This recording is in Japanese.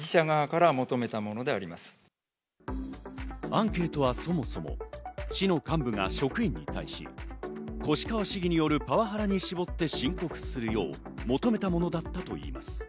アンケートはそもそも、市の幹部が職員に対し、越川市議によるパワハラに絞って申告するよう求めたものだったといいます。